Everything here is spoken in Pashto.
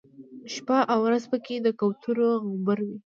شپه او ورځ په کې د کوترو غومبر وي.